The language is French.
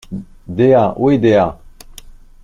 Dea! où est Dea?